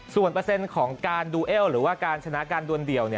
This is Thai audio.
ส่วนเปอร์เซ็นต์ของการดูเอลหรือว่าการชนะการดวนเดี่ยว